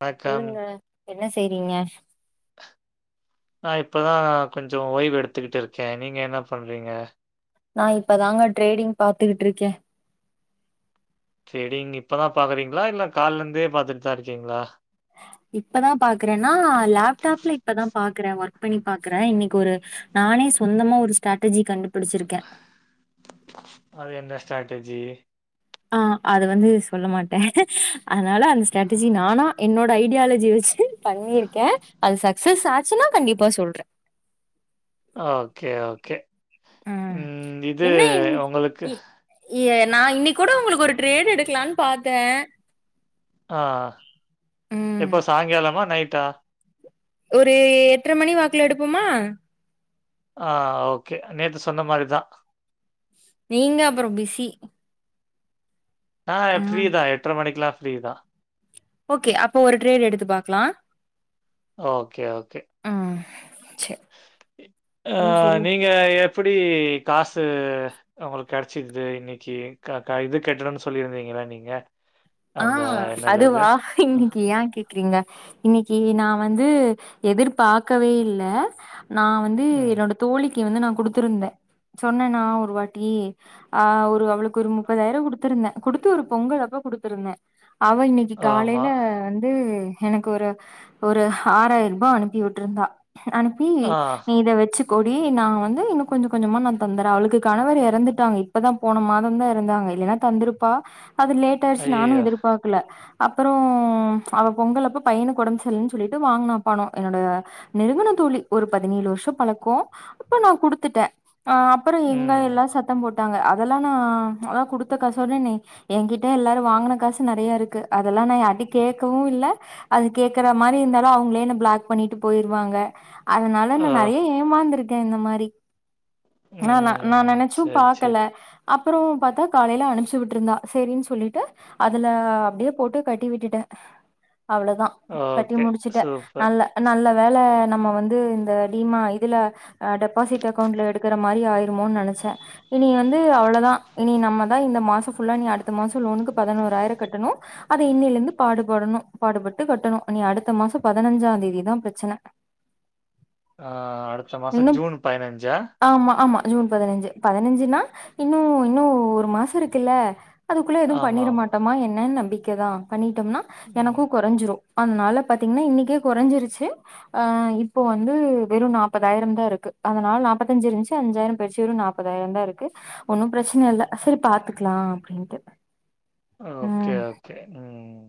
வணக்கம் சொல்லுங்க என்ன செய்றீங்க நா இப்ப தா கொஞ்சோ ஓய்வெடுத்துக்கிட்டுருக்கே நீங்க என்ன பண்றீங்க நா இப்பதாங்க ட்ரேடிங் பாத்துகிட்ருக்கே செரிங்க இப்பதா பாக்கறீங்ளா இல்ல கால்லந்தே பாத்துட் தா இருக்கீங்ளா இப்பதா பாக்கறன்னா லேப்டாப்ல இப்பதா பாக் கறே ஒர்க் பண்ணி பாக்கறே இன்னிக்கு ஒரு நானே சொந்தமா ஒரு ஸ்டேட்டர்ஜி கண்டு பிடிச்சிருக்கே ஸ்டேட்டர்ஜி ஆ அது வந்து சொல்ல மாட்டே அதுனால அந்த ஸ்டேட்டர்ஜி நானா என்னோ ட ஐடியாலஜி வெச்சு பண்ணீர்க்கே அது சக்சஸ் ஆச்சுன்னா கண்டிப்பா சொல்றே ஓகே ஓகே ம் இது என்ன இன் உங்களுக்கு இ ஏ நா இன்னிக் கூட உங்களுக்கு ஒரு ட்ரேட் எடுக்கலான் பாத்தே ஆ ம் எப்ப சாய்ங்காலமா நைட்டா ஒரு எட்டர மணி வாக்ல எடுப்போமா ஆ ஓகே நேத்து சொன்ன மாரி தா நீங்க அப்பறோ பிஸி நா ம் ஃப்ரீ தா எட்டர மணிக்கெல்லா ஃப்ரீ தா ஓகே அப்ப ஒரு ட்ரேட் எடுத்து பாக்கலா ஓகே ஓகே ம் சேர் ஆ அப்புறம் சொல்லு நீங்க எ ப்டி காசு உங்களுக்கு கெடச்சிது இன்னிக்கு க க இது கெட்டனுனு சொல்லீர்ந்தீங்க ல்ல நீங்க ஆ அந்த என்னது அது? அதுவா அ, இன்னிக்கு ஏ கேக் இருக்கீங்க இன்னைக்கு நா வந்து எதிர்பாக்கவே இல்ல நா வந்து ம். என்னோட தோழிக்கு வந்து நா கொடுத்திருந்தேன் சொன்னே நா ஒரு வாட்டி ஆஹ் ஒரு அவளுக்கு ஒரு முப்பதாயிரம் குடுத்துருந்தேன் குடுத்து ஒரு பொங்கல் அப்ப குடு இருந்தேன் அவா இன்னைக்கு ஆமா. காலையில வந்து எனக்கு ஒரு ஒரு ஆறாயிரம் ரூபா அனுப்பி விட்டுருந்தா அனுப்பி ஆ, நீ இத வச்சு கொடி நா வந்து இன்னும் கொஞ்சம் கொஞ்சமா நா தந்துறேன் அவளுக்கு கணவர் இறந்துட்டாங்க இப்பதா போன மாதம் தான் இறந்தாங்க இல்லன்னா தந்துருப்பா அது லேட் ஆயிடுச்சு நானும் ஐயய்யோ! எதிர்பாக்கல அப்புறம் ம் அவ பொங்கல் அப்ப பையனுக்கு உடம்பு சரியில்லன்னு சொல்லிட்டு வாங்குனா பணம் என்னோட நெருங்குன தோழி ஒரு பதினேழு ஏழு வருஷம் பழக்கம் அப்ப நா குடுத்துட்டேன் ஆஹ் அப்புறம் எங்க ம். எல்லாம் சத்தம் போட்டாங்க அதெல்லாம் நா அதான் குடுத்த காசோட என்கிட்ட எல்லாரும் வாங்குன காசு நெறைய இருக்கு அதெல்லாம் நான் யார்டையும் கேட்கவும் இல்ல அது கேக்குற மாரி இருந்தாலும் அவுங்க ங்கலே என்ன ப்ளாக் பண்ணிட்டு போயிருவாங்க அதனால ஓ! நா நெறைய ஏமாந்துருக்கேன் இந்த மாதிரி ஆஹ் நா நான் ம். நினைச்சும் சரி, சரி. பாக்கல அப்புறம் பாத்தா காலையில அனுப்ச்சு விட்ருந்தா சரின்னு சொல்லிட்டு அதுல அப்படியே போட்டு கட்டி விட்டுட்டேன் அவ்வளவுதான் கட்டி ஓகே. முடிச்சுட்டேன் சூப்பர். நல்ல நல்ல வேல நம்ம வந்து இந்த டீமா இதுல டெபாசிட் அக்கௌண்ட்ல எடுக்குற மாரி ஆயிருமோனு நினைச் ச்ச இனி வந்து அவ்வளவுதான் இனி நம்ம தான் இந்த மாசம் ஃபுல்லா நீ அடுத் அடுத்த மாசம் லோனுக்கு பதினோறாயிரம் கட்டணும் அத இன்னில இருந்து பாடுபடனும் பாடுபட்டு கட்டணும் இனி அடுத்த மாசம் மாசம் பதினஞ்சா தேதிதான் பிரச்சன ஆஹ் அடுத்த இன்னு மாசம் ஜூன் பதினஞ்சா ஆமா ஆமா ஜூன் பதினஞ்சு பதினஞ்சுன்னா இன்னும் இன்னும் ஒரு மாசம் இருக்குல்ல அதுக்குள்ள எதுவும் பண்ணிட ஆமாமா. மாட்டோமா என்னன் நம்பிக்கைதான் பண்ணிட்டோம்னா ம். எனக்கும் குறஞ்சிரும் அதனால பாத்தீங்கன்னா இன்னைக்கே குறைஞ்சிருச்சு ஆஹ் இப்போ வந்து வெறும் நாப்பதாயிரம் தான் இருக்கு அதனால நாப்பத்தஞ்சு இருந்துச்சு அஞ்சாயிரம் பேய்ச்சு நாப்பதாயிரம் தான் இருக்கு ஒன்னும் பிரச்சனை இல்ல சரி பாத்துக்கலாம் ஆஹ் அப்டியா ஓ ஓகே ஓகே உம்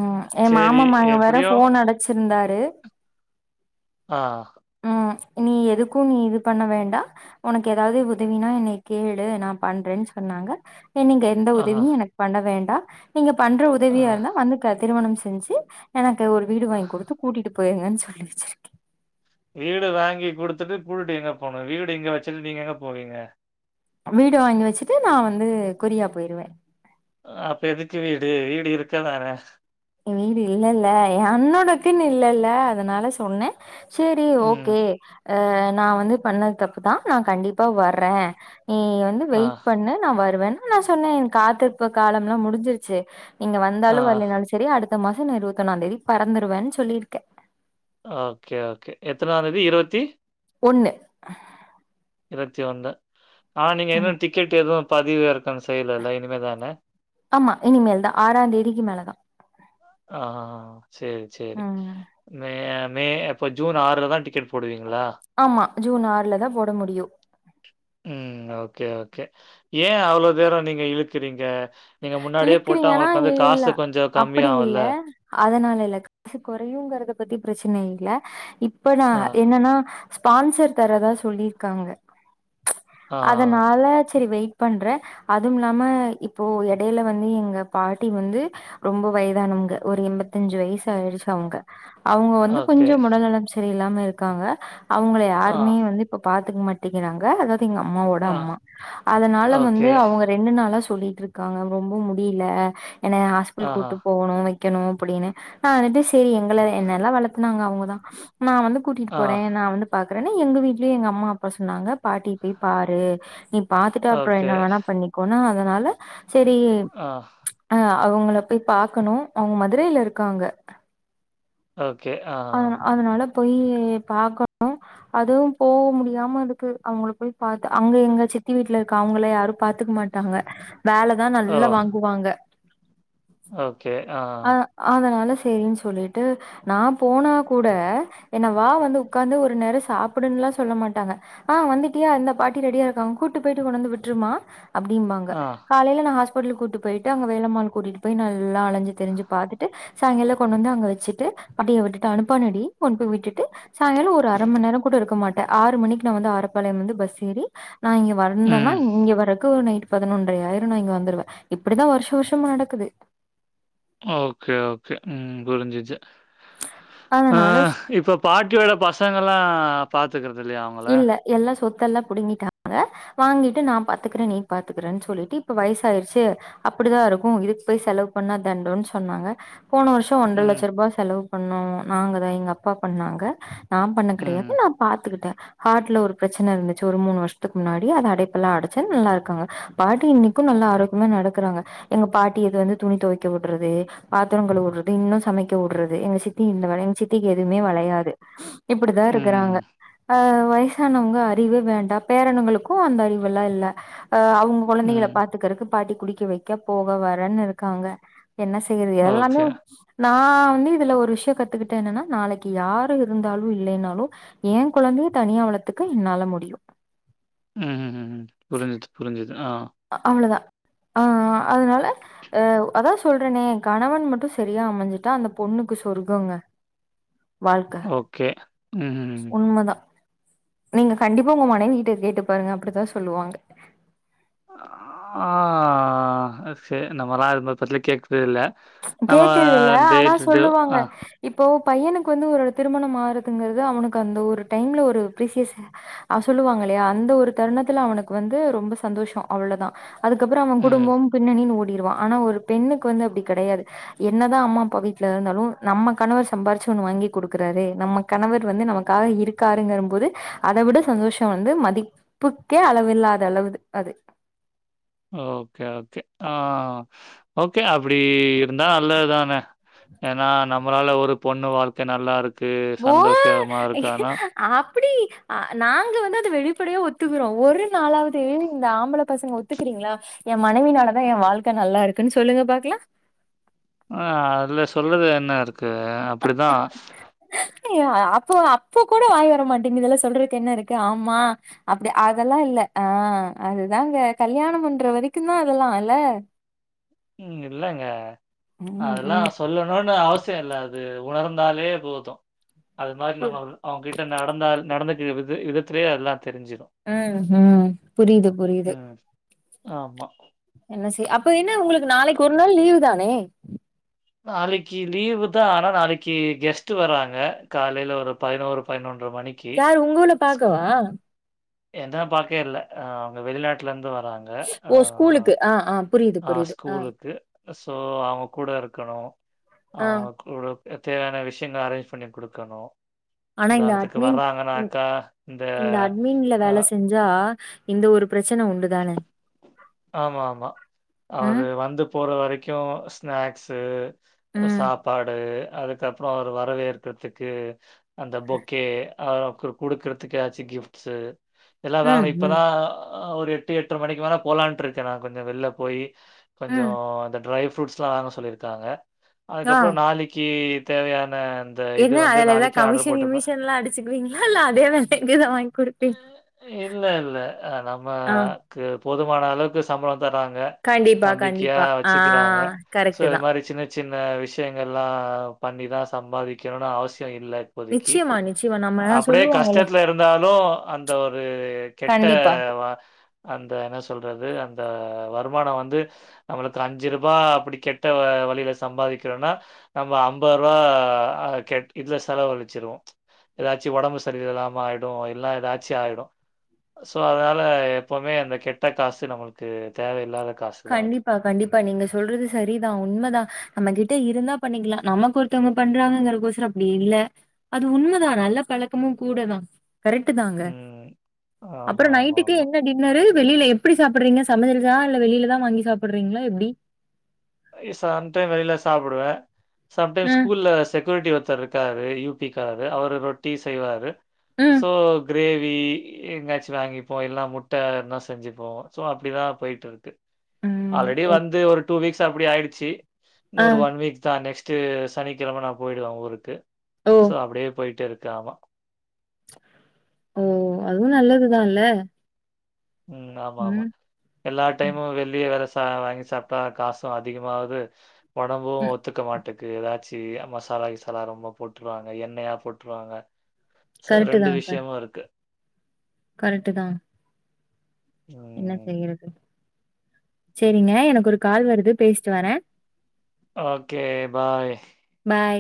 ம் என் மாமாமாங்க வேற ஃபோன் அடிச்சிருந்தாரு ஆ, ம். நீ எதுக்கும் நீ இது பண்ண வேண்டாம் உனக்கு ஏதாவது உதவினா என்னைய கேளு நா பண்றேன்னு சொன்னா நாங்க என் நீங்க எந்த ஆ, உதவியும் ஆ, எனக்கு பண்ண வேண்டாம் நீங்க பண்ற உதவியா இருந்தா வந்து திருமணம் செஞ்சு எனக் க்கு ஒரு வீடு ஆ. வாங்கி குடுத்து கூட்டிட்டு போயிருங்கன்னு சொல்லி வச்சிருக்கேன் வீடு வாங்கி குடுத்துட்டு கூட்டி எங்க போனும் வீடு இங்க வச்சுட்டு நீங்க எங்க போவீங்க வீடு வாங்கி வச்சுட்டு நா வந்து கொரியா போயிருவேன் அப்ப எதுக்கு வீடு வீடு இருக்கதானே வீடு இல்லல்ல என் அண்ணணுக்குன்னு இல்லல்ல அதனால சொன்னே சேரி ம். ஓகே அஹ் நா வந்து பண்ணது தப்புதான் நா கண்டிப்பா வர்றேன் நீ வந்து ஆ, வெயிட் பண்ணு நா வருவேன்னு நா சொன்னேன் என் காத்திருப்பு காலம் எல்லாம் முடிஞ்சிருச்சு நீங்க வந்தாலும் ஆ. வரலைனாலும் சரி அடுத்த மாசம் நான் இருபத்தி ஒண்ணாம் தேதி பறந்துடுவேன்னு சொல்லியிருக்கேன் ஓகே ஓகே எத்தனாந் தேதி இருவத்தி ஒண்ணு இருபத்தி ஒண்ணு ஆஹ் நீங்க ஏதும் டிக்கெட் எதுவும் பதிவு இறக் கம் செய்லல்ல இனிமேதானே ஆமா இனிமேல் தா ஆறாந் தேதிக்கு மேலதா ஆஹ் சேரி சேரி ம் மே அப்போ ஜூன் ஆறுல தான் டிக்கெட் போடுவீங்க ஆமா ஜூன் ஆறுல தான் போட முடியும் உம் ஓகே ஓகே ஏன் அவ்ளோ தூரம் நீங்க இழுக்குறீங்க நீங்க முன்னாடியே போட்டா இழுக்கறீங்கன்னா உங்களுக்கு வந்து இல் இல்ல காசு கொஞ்சம் அப்படி கம்மியாகும்ல? இல்ல அதனால இல்ல காசு குறையும்ங்கறத பத்தி பிரச்சன இல்ல இப்ப நா ஆ, என்னன்னா ஸ்பான்சர் தரதா சொல்லியிருக்காங்க ஆ. அதனால சரி வெயிட் பண்ற அதும் இல்லாம இப்போ எட் எடையில வந்து எங்க பாட்டி வந்து ரொம்ப வயதானவங்க ஒரு எம்பத்திஅஞ்சு வயசு ஆயிடுச்சு அவங்க அவங்க வந்து ஓகே. கொஞ்சம் உடல்நலம் சரியில்லாம இருக்காங்க அவங்கள ஆ, யாருமே வந்து இப்ப பாக் துங் மாட்டிங்கிறாங்க அதாது எங்க அம்மாவோட ஆ. அம்மா அதனால ஓகே. வந்து அவங்க ரெண்டு நாளா சொல்லிட் இருக் க்காங்க ரொம்ப முடியல என்னைய ஹாஸ்பிடல் ஆஹா. கூட்டு போகணு வைக்கணு அப்படினு நா அதது சரி எங்களை என்னெல்லாம் வளத்துனாங்க அவங்கதா நா வந்து கூட்டிட்டு ஆ. போறே நா வந்து பாக் கறேனு எங்க வீட்லயு எங்க அம்மா அப்பா சொன்னாங்க பாட்டி போய் பாரு நீ பாத்துட்டு அப்புற ஓகே. என்ன வேணா பண்ணிக்கோனா அதனால சரி ஆ. ச் அ அவங்கள போய் பாக்கணு அவங்க மதுரையில இருக்காங்க ஓகே ஆ அ அதனால போய் பாக்கணு அதுவு போவ முடியாமருக்கு அவங்கள போய் பாத்து அங்க எங்க சித்தி வீட்ல இருக்க அவங்கள யாரு பாத்துக்க மாட்டாங்க வேல தா ஓ! நல்லா வாங்குவாங்க ஓகே. ஆ. அ அதனால சேரின் சொல்லிட்டு நா போனா கூட என்ன வா வந்து ஒக்காந்து ஒரு நேர சாப்டுன்லா சொல்ல மாட்டாங்க ஆ வந்துட்டி யா இந்தா பாட்டி ரெடியா இருக்காங்க கூட்டு போயிட்டு கொண்டு வந்து விட்டுருமா அப்டிம்பாங்க ஆ. காலையில நா ஹாஸ்பிட்டலு கூட்டு போயிட்டு அங்க வேலம்மாள் கூட்டிட்டு போய் நல்லா அலஞ்சு திரிஞ்சு பாத்துட்டு சாயங்கால கொண்டு வந்து அங்க வச்சுட்டு பாட்டிய விட்டுட்டு அனுப்பானடி கொண்டு போய் விட்டுட்டு சாயங்கால ஒரு அர மணி நேரம் கூட இருக்க மாட்டே ஆறு மணிக்கு நா வந்து ஆரப் பாளையம் வந்து பஸ் ஏறி நா இங்க ம். வந்தனா இங்க வரக்கு ஒரு நைட் ப பதினொன்றையாயிரு நா இங்க வந்துருவ இப்டிதா வருஷ வருஷமு நடக்குது ஓகே ஓகே ம் குருஞ்சிசி ஆ அதனால இப்ப பாட்டியோட பசங்க எல்லா பாத் இல்ல எல்லா சொத்தெல்லா புடிங்கிட்டாங்க வாங்கிட்டு நா பாத்துகுற நீ பாத்துக்கிறேன் சொல்லிட்டு இப்ப வயசாயிடுச்சு அப்படிதா இருக்கு இதுக்கு போய் செலவு பண்ணா தண்டொன் சொன்னாங்க போன வருஷம் ஒன்ற ம், லட்ச ரூபா செலவு பண்ணோ நாங்கதா எங்க அப்பா பண்ணாங்க நா பண்ண ம், கெடையாது நா பாத்துகிட்ட ஹார்ட்ல ஒரு பிரச்ன இருந்துச்சு ஒரு மூணு வருஷத்துக்கு முன்னாடி அது அடைப்பெல்லா அடைச்சே நல்லா இருக்காங்க பாட்டி இன்னைக்கும் நல்லா ஆரோக்கியமா நடக்கிறாங்க எங்க பாட்டி எது வந்து துணி துவக்க வுடுறது பாத்திர கழுவ விடுறது இன்னு சமைக்க வுடுறது எங்க சித்தி இந்த வேலை எங்க சித்திக்கு எதுமே வளையாது இப்படிதா இருக்கிறாங்க ம், வயசானவங்க அறிவே வேண்டா பேரனுங்களுக்கு அந்த அறிவுல்லா இல்ல அ அவங்க குழந்தைகளை ம். பாத்துக்கறக்கு பாட்டி குடிக்க வைக்க போக வரன்னு இருக்காங்க என்ன செய்யறது எல்லாமே ஓகே. நா வந்து இதுல ஒரு விஷயம் கத்துக்கிட்ட என்னன்னா நாளைக் யாரு இருந்தாலு இல்லைனாலு எ கொழந்தைய தனியா வளத்துக்க என்னால முடியு ம் புரிஞ்சிச் புரிஞ்சிச் ஆ அவ்ளதா ஆ அதனால அ அதா சொல்றனே கணவன் மட்டும் சரியா அமைஞ்சுட்டா அந்த பொண்ணுக்கு சொர்கங்க ஓகே ம் உண்மதா நீங்க கண்டிப்பா உங்க மனைவி கிட்ட கேட்டு பாருங்க அப்டித்தா சொல்லுவாங்க ஆ ச நம்மல்லா இது பத்தில கேக் ச் கேக்குதுல்ல ஆனா டு டே சொல்லுவாங்க ஆ. இப்போ பையனுக்கு வந்து ஒரு திருமணம் ஆறுதுங்கிறது அவனுக்கு அந்த ஒரு டைம்ல ஒரு பிரீசியஸ் சொல்லுவாங்க இலயா அந்த ஒரு தருணத்துல அவனுக்கு வந்து ரொம்ப சந்தோஷோ அவ்ளதா அதுக்கப்பற அவன் ம். குடும்பம் பின்னணின்னு ஓடிருவா ஆனா ஒரு பெண்ணுக்கு வந்து அப்டி கெடையாது என்னதா அம்மா அப்பா வீட்ல இருந்தாலு நம்ம கணவர் சம்பாரிச்சு ஒன்னு வாங்கி கொடுக்கறாரு நம்ம கண வர் வந்து நமக்காக இருக்காருங்கற போது அத விட சந்தோஷ வந்து மதிப்புக்கே அளவில்லாத அளவுது அது ஓகே ஓகே ஆ ஓகே அப்டி இருந்தா நல்லதுதானே ஏன்னா நம்மளால ஒரு பொண்ணு வாழ்க்க நல்லாருக் [inaudible] அப் அப்டி அ நாங்க வந்து அது வெளிப்படையா ஒத்துக்குறோ ஒரு நாலாவது இந்த ஆம்பள பசங்க ஒத்துக்கிறீங்களா என் மனவினாலதா என் வாழ்க்க நல்லா இருக்குன்னு சொல்லுங்க பாக்கலா ம் அதுல சொல்றது என்ன இருக்கு அப்டித்தா [inaudible] அ அப்போ அப்போ கூட வாய் வரமாட்டேங்குதுல சொல்றக்கு என்ன இருக்கு ஆமா அப்டி அதெல்லா இல்ல ஆ அதுதாங்க கல்யாண பண்ற வரைக்கு தா அதெல்லா இல்ல ம் இல்லைங்க ம், அதெல்லா ம். சொல்லணுனு அவசி சிய இல்ல அது உணர்ந்தாலே போது அது மாரி பு நம்ம அவுங் அவுங்கிட்ட நடந்தா நடந்து [inaudible] விது விதத்திலயே எல்லா ம் ம் புரியுது புரியுது ம். ஆமா என்ன செய் அப்போ என்ன உங்களுக்கு நாளைக்கு ஒரு நாள் லீவு தானே நாளைக்கி லீவு தா ஆனா நாளைக்கி கெஸ்ட்டு வராங்க காலையில ஒரு பதினோரு பதினொன் யரு உங்குல பாக்கவா என்னா பாக்க இல்ல அவுங்க வெளிநாட்டுல இருந்து வர் ஓ ஸ்கூலுக்கு ஆ ஆ புரியுது புரியுது ஆ அ சோ அவுங்க கூட இருக்கணு ஆ. அவுங்க கூட தேவையான விஷ்யங்க அரேஞ்ச் பண்ணி குடுக்கணு ஆனா இந்த அட்மீன் இ இந்த அட்மீன்ல அ வேல செஞ்சா இந்த ஒரு ப்ரச்சன உண்டுதானே ஆமா ஆமா ம் அவுரு வந்து போற வரைக்கு ஸ் னாக்ஸ்ஸு அ ம் சாப்பாடு அதுக்கப்றோ ஒரு வரவேற்கிறதுக்கு அந்த பொக்கே அவருக்கு குடுக்கறதுக்கு ஏதாச்சு கிஃப்ட்ஸு எல்லா ம் வாங்கனு ம் இப்பதா ஒரு எட்டு எட்ர மணிக்கு மேல போலான்ட்டு இருக்கே நா கொஞ்சோ வெள்ல போயி கொஞ்சோ ம் அ ட்ரய் ஃப்ரூட்ஸ்லா வாங்க சொல்லியிருக்காங்க ஆ அதுக்கப்பறோ நாளைக்கி தேவையான அந்த இது என்ன வந்து அதுல ஏதா நாளைக்கே ஆர்டர் கமிஷன் போட்டுப்பேன். விமிஷன்லா அடிச்சுக்குவீங்களா இல்ல அதே வேலக்கு தா வாங்கி குடுப்பீங் இல்ல இல்ல அ ஆ நம்மக்கு போதுமான அளவுக்கு சம்பலோ தறங்க கண்டிப்பா நம்பிக்கையா கண்டிப்பா ஆ வச்சுக்கிறாங்க சோ இது கரெக்ட்டுதா மாரி சின்ன சின்ன விஷ்யங்கெல்லா பண்ணிதா சம்பாதிக்கணுனு அவசியோ இல்ல இப்போதக்கி நிச்சயமா நிச்சயமா நம்ம அப்டியே சொல்லுவாங்கல்ல கஷ்டத்துல இருந்தாலு அந்த ஒரு கெட்ட கண்டிப்பா வா அந் என்ன சொல்றது அந்த வருமானோ வந்து நம்மளுக்கு அஞ்சு ரூபா அப்டி கெட்ட வழியில சம் பாதிக்கிறோம்னா நம்ம அம்பது ரூபா கெ இதுல செலவுழிச்சிருவோ ஏதாச்சும் ஒடம்பு சரிய இல்லாம ஆயிடு இல்னா ஏதாச்சு ஆயிடு சோ அதனால எப்வுமே அந்த கெட்ட காசு நம்மளுக்கு தேவயில்லாத கண்டிப்பா கண்டிப்பா நீங்க சொல்றது சரிதா உண்மதா நம்ம கிட் ட இருந்தா பண்ணிக்கலா நமக்கு ஒருத்தவங்க பண்றாங்கங்கிறக்கசர அப்டி இல்ல அது உண்மதா நல்ல பழக்கமு கூட தா கரெக் தாங்க ம். அப்றோ ஆமா, ஆமா, நைட்டுக்கு ஆமா. என்ன டின்னரு வெளியில எப்டி சாப்டுறீங்க சமசெஞ்ச இல்ல வெளியிலதா வாங்கி சாப்டுறீங்களா எப்டி சம்டைம் வெளியில சாப்டுவே சம்டைம் ம் ஸ்கூல்ல செ க்யூரிட்டி ஒருத்தரு இருக்காரு யூ பி க்கரு அவர் ரொட்டி செய்வாரு ம் சோ கிரேவி எங்கயாச்சு வாங்கிப்போ இல்னா முட்ட இருந்த செஞ்சுப்போ ஸோ அப்டிதா போய்டட்டுருக்கு ம் ஆல்ரெடி ஓ வந்து ஒரு டூ வீக்ஸ் அப்டி ஆயிடுச்சு ஆ இன்னொரு ஒன் வீக் தா நெக்ஸ் ட்டு சனிக்கெழம நா போயிடுவே ஊருக்கு ஓ ஸோ அப்டியே போயிட்டு இருக்க ஆமா ஓ அதுவு நல்லதுதா இல்ல ம் ஆமா ஆமா ம் எல்லா ம் டைமு வெளிய வேல [inaudible] வாங்கி சாப்ட்டா காசும் அதிகமாவது ஒடம்பு ம் ஒத்துக்க மாட் ட்டுக்கு ஏதாச்சி மசாலா கிசாலா ரொம்ப போட்டுருவாங்க எண்ணெயா போட்டுருவாங்க சோ ரெண்டு விஷயமு இருக்கு கரெக்டு தான் ம் ம்ம் எங்க எனக்கு ஒரு கால் வருது பேசிட்டு வரே ஓகே பாய் பாய்